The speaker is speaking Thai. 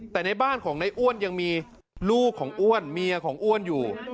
แต่ในบ้านของในอ้วนยังมีลูกของอ้วนเมียของอ้วนอยู่